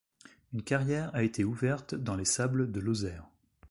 Une carrière a été ouverte dans les sables de Lozère.